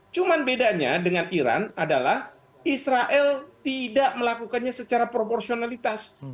cuma bedanya dengan iran adalah israel tidak melakukannya secara proporsionalitas